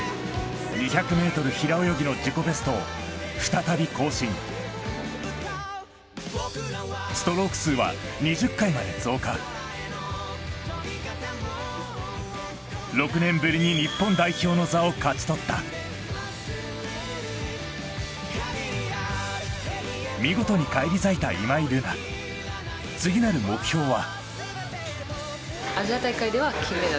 ２００ｍ平泳ぎの自己ベストを再び更新ストローク数は２０回まで増加６年ぶりに日本代表の座を勝ち取った見事に返り咲いた今井月次なる目標は？